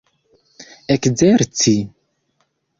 ekzerci